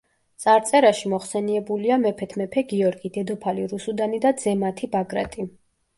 წარწერაში მოხსენიებულია მეფეთ მეფე გიორგი, დედოფალი რუსუდანი და ძე მათი ბაგრატი.